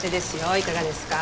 いかがですか？